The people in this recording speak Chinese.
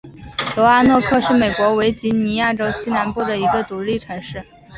罗阿诺克是美国维吉尼亚州西南部的一个独立城市。